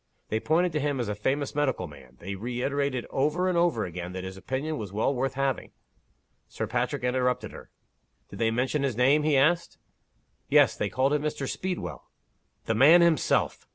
They pointed to him as a famous medical man. They reiterated over and over again, that his opinion was well worth having " Sir Patrick interrupted her. "Did they mention his name?" he asked. "Yes. They called him Mr. Speedwell." "The man himself!